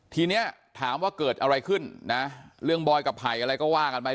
ทีนี้ถามว่าเกิดอะไรขึ้นนะเรื่องบอยกับไผ่อะไรก็ว่ากันไป